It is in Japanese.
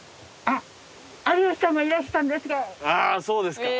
あぁそうですか。